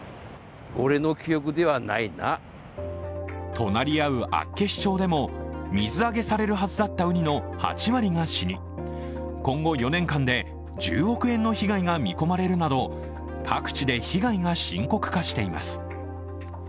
隣り合う厚岸町でも水揚げされるはずだったウニの８割が死に、今後４年間で、１０億円の被害が見込まれるなど各地で被害が深刻化しています。